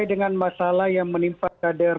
dengan masalah yang menimpa kader